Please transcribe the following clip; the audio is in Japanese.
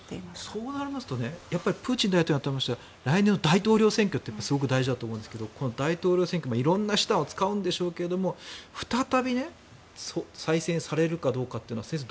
そうなりますとプーチン大統領が言ってましたけど来年の大統領選挙すごく大事だと思うんですけど大統領選挙もいろんな舌を使うんでしょうけど再び再選されるかどうかっていうのは先生